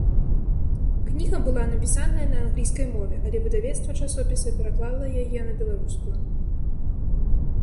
Кніга была напісаная на англійскай мове, але выдавецтва часопіса пераклала яе на беларускую.